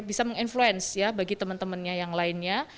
bisa meng influence ya bagi teman temannya yang lainnya